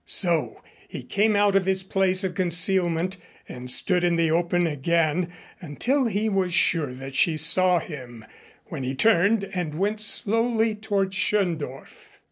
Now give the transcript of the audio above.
So he came out of his place of concealment and stood in the open again until he was sure that she saw him, when he turned and went slowly toward Schöndorf.